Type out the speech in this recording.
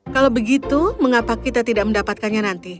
kalau begitu mengapa kita tidak mendapatkannya nanti